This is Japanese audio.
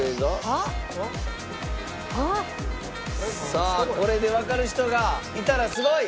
さあこれでわかる人がいたらすごい！